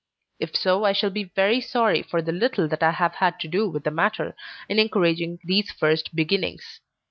If so I shall be very sorry for the little that I have had to do with the matter, in encouraging these first beginnings.